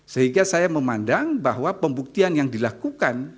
sehingga saya memandang bahwa pembuktian yang dilakukan